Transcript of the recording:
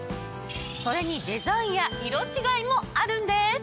それにデザインや色違いもあるんです！